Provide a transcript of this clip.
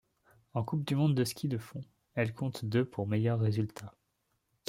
En Coupe du monde de ski de fond, elle compte deux pour meilleur résultat.